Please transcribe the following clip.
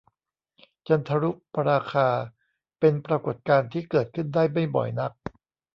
จันทรุปราคา เป็นปรากฎการณ์ที่เกิดขึ้นได้ไม่บ่อยนัก